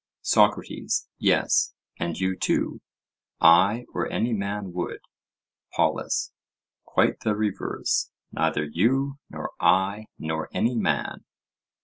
SOCRATES: Yes, and you, too; I or any man would. POLUS: Quite the reverse; neither you, nor I, nor any man.